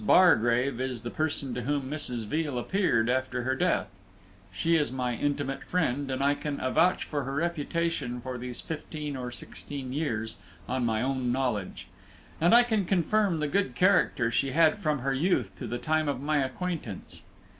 Bargrave is the person to whom Mrs. Veal appeared after her death; she is my intimate friend, and I can avouch for her reputation for these fifteen or sixteen years, on my own knowledge; and I can confirm the good character she had from her youth to the time of my acquaintance.